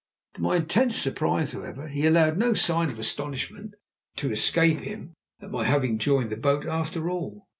To my intense surprise, however, he allowed no sign of astonishment to escape him at my having joined the boat after all.